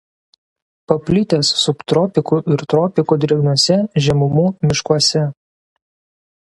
Paplitęs subtropikų ir tropikų drėgnuose žemumų miškuose.